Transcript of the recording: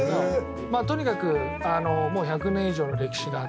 まあとにかくあのもう１００年以上の歴史があって。